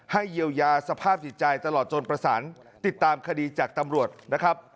เยียวยาสภาพจิตใจตลอดจนประสานติดตามคดีจากตำรวจนะครับ